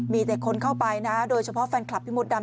มีแต่คนเข้าไปนะโดยเฉพาะแฟนคลับพี่มดดำ